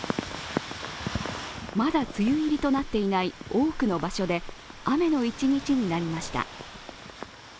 まだ梅雨入りとなっていない多くの場所で雨の一日になりました。